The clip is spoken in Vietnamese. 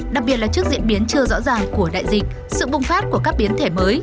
đặc biệt là trước diễn biến chưa rõ ràng của đại dịch sự bùng phát của các biến thể mới